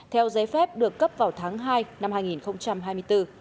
theo giấy phép được cấp vào tháng hai năm hai nghìn hai mươi bốn